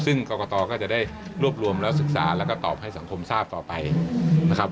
ซึ่งกรกตก็จะได้รวบรวมแล้วศึกษาแล้วก็ตอบให้สังคมทราบต่อไปนะครับ